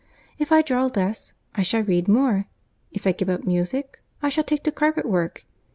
If I draw less, I shall read more; if I give up music, I shall take to carpet work.